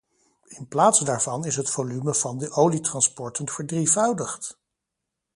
In plaats daarvan is het volume van de olietransporten verdrievoudigd.